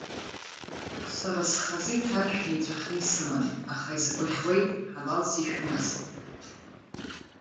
Сара схазы иҭаршәны иҵәахны исыман, аха изгәаӷьуеит, ҳалалс ишәымаз!